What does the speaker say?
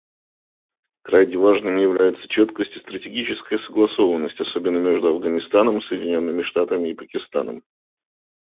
Крайне важными являются четкость и стратегическая согласованность, особенно между Афганистаном, Соединенными Штатами и Пакистаном.